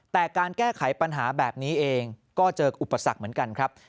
แต่การแก้ไขปัญหาแบบนี้เองก็เจออุปสรรคเหมือนกันครับ